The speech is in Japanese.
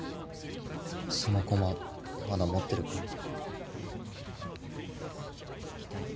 その駒まだ持ってるか？